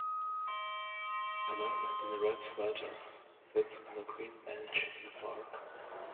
A man in a red sweater sits on a green bench in a park.